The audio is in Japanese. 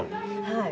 はい。